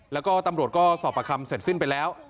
แล้วก็ตำรวจก็สอบประคำเสร็จสิ้นไปแล้ว